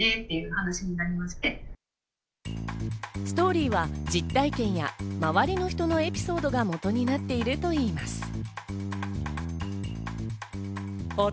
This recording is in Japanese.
ストーリーは実体験や周りの人のエピソードが元になっているといいます。